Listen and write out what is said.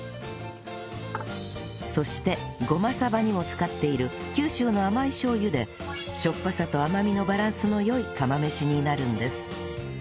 そしてごまさばにも使っている九州の甘いしょう油でしょっぱさと甘みのバランスの良い釜飯になるんです